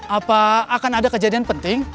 apa akan ada kejadian penting